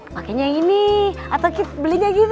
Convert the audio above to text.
pakainya yang ini atau belinya gini